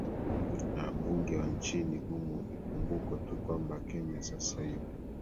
na wabunge wa nchini humu ikumbukwe tu kwamba kenya sasa hivi